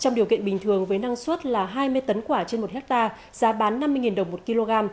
trong điều kiện bình thường với năng suất là hai mươi tấn quả trên một hectare giá bán năm mươi đồng một kg